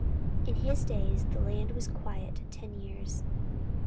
In his days the land was quiet ten years.